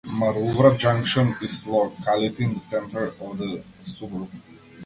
Maroubra Junction is a locality in the centre of the suburb.